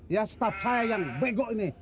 ya staff saya yang bego ini